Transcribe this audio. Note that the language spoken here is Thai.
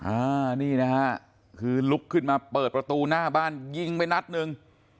อ่านี่นะฮะคือลุกขึ้นมาเปิดประตูหน้าบ้านยิงไปนัดหนึ่ง